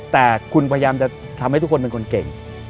แต่คุณพยายามจะทำให้ทุกคนเป็นคนเก่ง